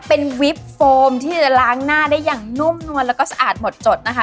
เป็นวิปโฟมที่จะล้างหน้าได้อย่างนุ่มนวลแล้วก็สะอาดหมดจดนะคะ